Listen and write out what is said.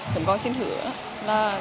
chúng con xin thưởng thức